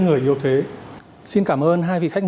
người yêu thế xin cảm ơn hai vị khách